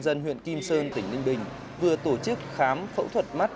dân huyện kim sơn tỉnh ninh bình vừa tổ chức khám phẫu thuật mắt